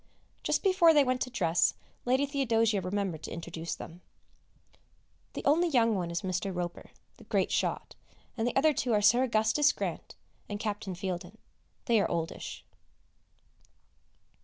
Just before they went to dress Lady Theodosia remembered to introduce them. The only young one is Mr. Roper, the great shot, and the other two are Sir Augustus Grant and Captain Fieldin; they are oldish.